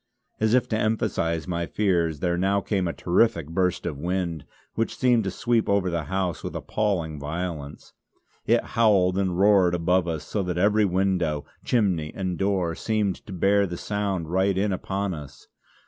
As if to emphasise my fears there now came a terrific burst of wind which seemed to sweep over the house with appalling violence. It howled and roared above us, so that every window, chimney and door, seemed to bear the sound right in upon us.